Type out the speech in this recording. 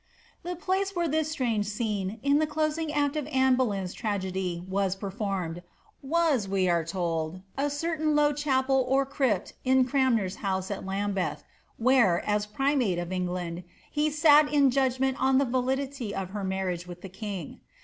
The place where this strange scene, in the closing act of Anne Bo leyn's tnL^^dy, was performed, was, we are told, a certain low chapd or crypt in Cranmer's house at Lambeth, where, as primate of England, be sat in judgment on the validity of her marriage with the king.